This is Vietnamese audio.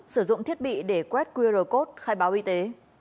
sử dụng thiết bị để quét qr code khai báo y tế